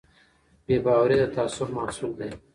بې باوري د تعصب محصول دی